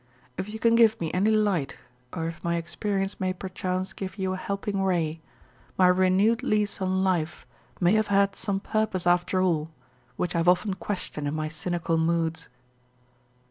If you can give me any light or if my experience may perchance give you a helping ray, my renewed lease on life may have had some purpose after all, which I have often questioned in my cynical moods."